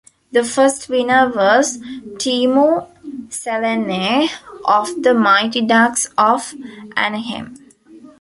The first winner was Teemu Selanne of the Mighty Ducks of Anaheim.